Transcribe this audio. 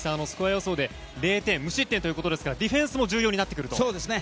スコア予想で０点無失点ということですがディフェンスも大事になってくると。